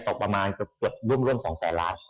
ตกประมาณเกือบร่วม๒แสนล้าน